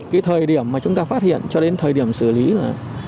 cái thời điểm mà chúng ta phát hiện cho đến thời điểm xử lý là